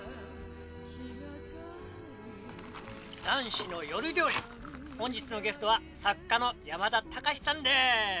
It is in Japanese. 『男子の夜料理』本日のゲストは作家の山田タカシさんです。